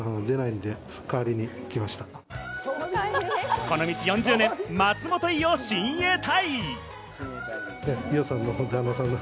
この道４０年、松本伊代親衛隊。